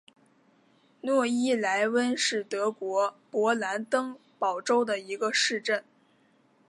诺伊莱温是德国勃兰登堡州的一个市镇。